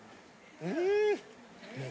・うん。